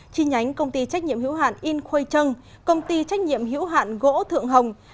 chi nhánh công ty trách nhiệm hiểu hạn in khoi trân công ty trách nhiệm hiểu hạn gỗ thượng hồng